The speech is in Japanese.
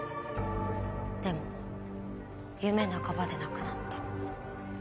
でも夢半ばで亡くなった。